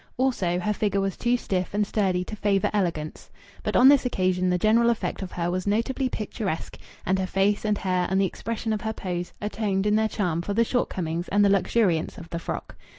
Also her figure was too stiff and sturdy to favour elegance. But on this occasion the general effect of her was notably picturesque, and her face and hair, and the expression of her pose, atoned in their charm for the shortcomings and the luxuriance of the frock.